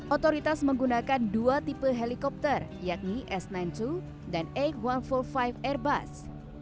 otoritas menggunakan dua tipe helikopter yakni s sembilan puluh dua dan a satu ratus empat puluh lima airbus